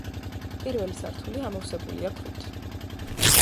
პირველი სართული ამოვსებულია ქვით.